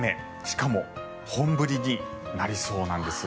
しかも本降りになりそうなんです。